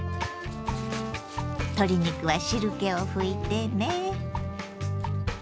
鶏肉は汁けを拭いてね。